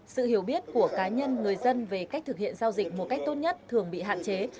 sự hiểu biết của cá nhân người dân về cách thực hiện giao dịch một cách tốt nhất thường bị hạn chế